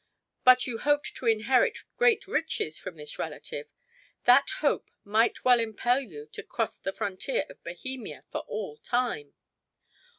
"But you hoped to inherit great riches from this relative. That hope might well impel you to cross the frontier of Bohemia for all time."